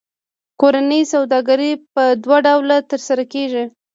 کورنۍ سوداګري په دوه ډوله ترسره کېږي